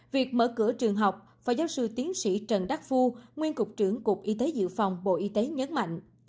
việc mở cửa trường học phó giáo sư tiến sĩ trần đắc phu nguyên cục trưởng cục y tế dự phòng bộ y tế nhấn mạnh